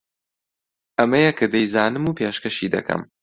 ئەمەیە کە دەیزانم و پێشکەشی دەکەم